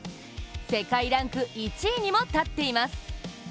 世界ランク１位にも立っています。